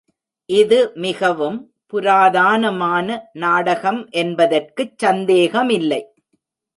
இது மிகவும் புராதானமான நாடகம் என்பதற்குச் சந்தேகமில்லை.